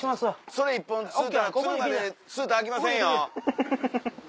それ１本吸うたら釣るまで吸うたらあきませんよ！